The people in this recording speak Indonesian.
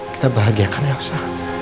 kita bahagiakan elsa